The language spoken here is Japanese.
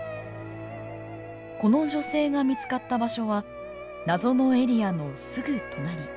この女性が見つかった場所は謎のエリアのすぐ隣。